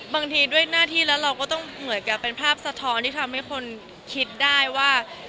บางทีด้วยหน้าที่แล้วเราก็ต้องเหมือนกับเป็นภาพสะท้อนที่ทำให้คนคิดได้ว่า